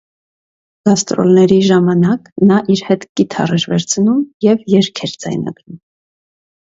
Գաստրոլների ժամանակ նա իր հետ կիթառ էր վերցնում և երգեր ձայնագրում։